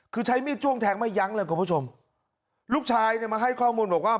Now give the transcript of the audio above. คือใช้มีดจ้วงแทงไม่ยั้งเลยคุณผู้ชมลูกชายเนี่ยมาให้ข้อมูลบอกว่า